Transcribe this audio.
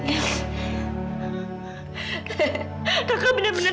kita gak akan bertahun tahun lagi